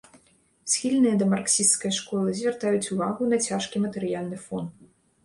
Схільныя да марксісцкай школы звяртаюць увагу на цяжкі матэрыяльны фон.